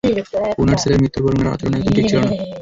উনার ছেলের মৃত্যুর পর উনার আচরণ একদম ঠিক ছিল না।